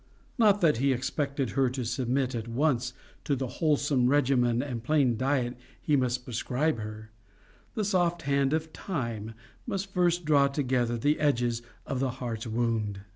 Not that he expected her to submit at once to the wholesome regimen and plain diet he must prescribe her: the soft hand of Time must first draw together the edges of her heart's wound.